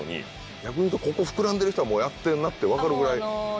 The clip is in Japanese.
逆に言うとここ膨らんでる人はやってんなって分かるぐらい。